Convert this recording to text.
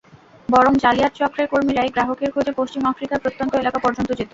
বরং জালিয়াত চক্রের কর্মীরাই গ্রাহকের খোঁজে পশ্চিম আফ্রিকার প্রত্যন্ত এলাকা পর্যন্ত যেত।